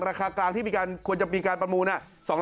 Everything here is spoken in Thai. ราคากลางที่ควรจะมีการประมูล